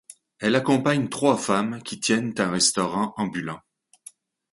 Elle accompagne trois femmes qui tiennent un restaurant ambulant.